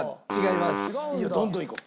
いいよどんどんいこう。